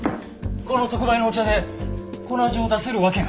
この特売のお茶でこの味を出せるわけが。